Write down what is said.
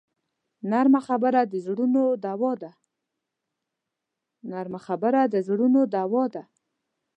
نرمه خبره د زړونو دوا ده